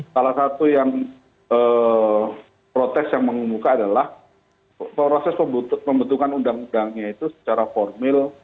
salah satu protes yang mengumumkan adalah proses pembentukan undang undangnya itu secara formal